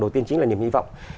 đầu tiên chính là niềm hy vọng